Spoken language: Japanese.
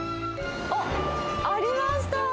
あっ、ありました。